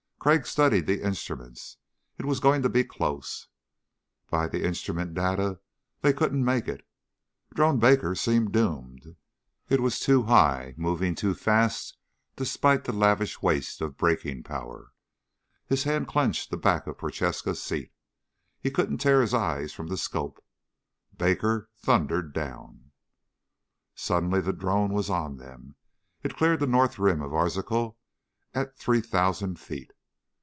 Crag studied the instruments. It was going to be close. By the instrument data they couldn't make it. Drone Baker seemed doomed. It was too high, moving too fast despite the lavish waste of braking power. His hand clenched the back of Prochaska's seat. He couldn't tear his eyes from the scope. Baker thundered down. Suddenly the drone was on them. It cleared the north rim of Arzachel at 3,000 feet.